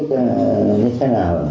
không biết là